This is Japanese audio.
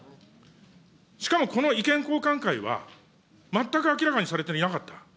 しかもこの意見交換会は、全く明らかにされていなかった。